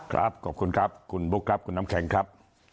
ครับขอบคุณครับคุณบุ๊คครับคุณน้ำแข็งครับ